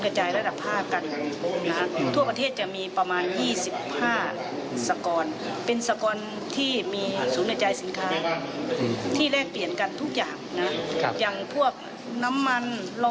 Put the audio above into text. เงาะอะไรเขาก็จะช่วยกัน